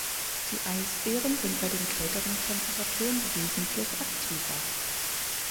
Die Eisbären sind bei den kälteren Temperaturen wesentlich aktiver.